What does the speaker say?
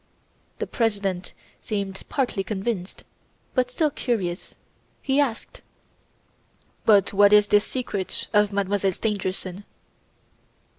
The President seemed partly convinced, but still curious, he asked: "But what is this secret of Mademoiselle Stangerson?"